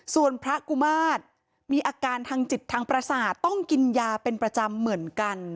ส่วนพระกุมาตรมีอาการทางจิตทางประสาทต้องกินยาเป็นประจำเหมือนกัน